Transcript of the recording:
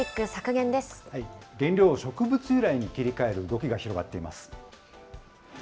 原料を植物由来に切り替える動きが広がっています。